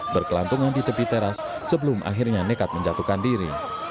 berkelantungan di tepi teras sebelum akhirnya nekat menjatuhkan diri